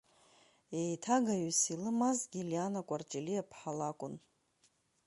Еиҭагаҩыс илымазгьы Лиана Кәарҷелиаԥҳа лакәын.